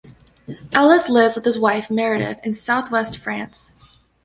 Ellis lives with his wife Meredith in southwest France.